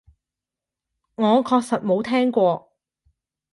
我確實冇聽過